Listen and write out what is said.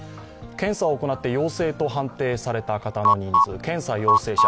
検査を行って陽性と判定された方の人数、検査陽性者